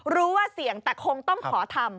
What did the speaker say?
รู้ว่าเสี่ยงแต่คงต้องขอทำ